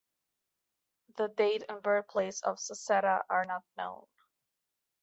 The date and birthplace of Sassetta are not known.